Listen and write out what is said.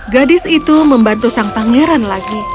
gadis itu membantu sang pangeran lagi